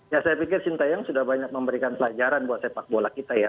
ya saya pikir sintayong sudah banyak memberikan pelajaran buat sepak bola kita ya